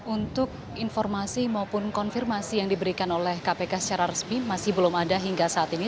untuk informasi maupun konfirmasi yang diberikan oleh kpk secara resmi masih belum ada hingga saat ini